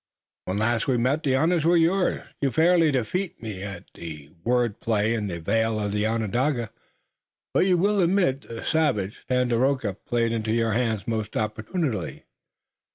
When last we met the honors were yours. You fairly defeated me at the word play in the vale of Onondaga, but you will admit that the savage, Tandakora, played into your hands most opportunely.